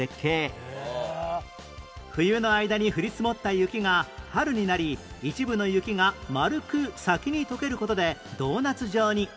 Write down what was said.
冬の間に降り積もった雪が春になり一部の雪が丸く先に解ける事でドーナツ状に